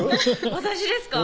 私ですか？